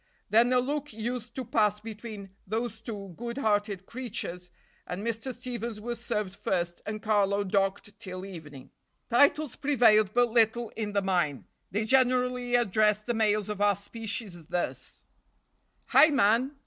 Then a look used to pass between those two good hearted creatures, and Mr. Stevens was served first and Carlo docked till evening. Titles prevailed but little in the mine. They generally addressed the males of our species thus: "Hi! man!"